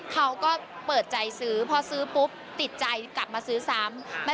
เค้าก็เปิดใจซื้อพอซื้อปุ๊บติดใจกลับมาซื้ออีกนิดทีซ่ำ